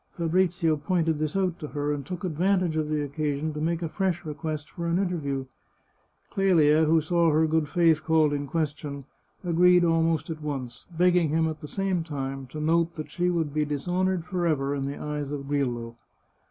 Fabrizio pointed this out to her, and took advantage of the occasion to make a fresh request for an interview. Clelia, who saw her good faith called in question, agreed almost at once, begging him, at the same time, to note that she would be dishonoured forever in the eyes of Grillo.